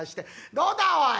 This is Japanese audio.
「どうだおい！